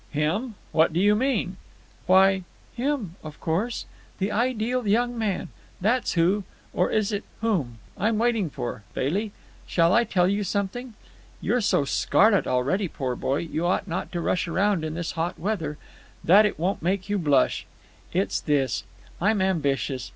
"Him? what do you mean?" "Why, him, of course. The ideal young man. That's who—or is it whom?—I'm waiting for. Bailey, shall I tell you something? You're so scarlet already—poor boy, you ought not to rush around in this hot weather—that it won't make you blush. It's this. I'm ambitious.